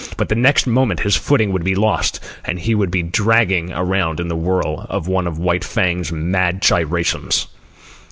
But the next moment his footing would be lost and he would be dragging around in the whirl of one of White Fang's mad gyrations.